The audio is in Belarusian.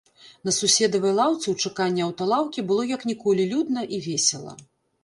На суседавай лаўцы ў чаканні аўталаўкі было як ніколі людна і весела.